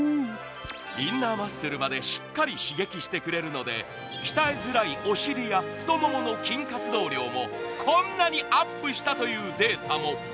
インナーマッスルまでしっかり刺激してくれるので、鍛えづらいお尻や太ももの筋活量もこんなにアップしたというデータも。